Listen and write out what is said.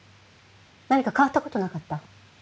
何か変わったことなかった？